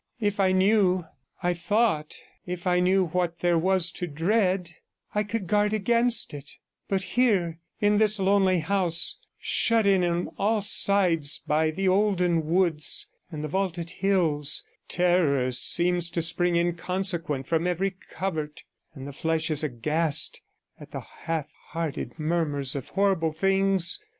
If I knew, I thought, if I knew what there was to dread, I could guard against it; but here, in this lonely house, shut in on all sides by the olden woods and the vaulted hills, terror seems to spring inconsequent from every covert, and the flesh is aghast at the half hearted murmurs of horrible things.